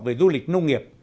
về du lịch nông nghiệp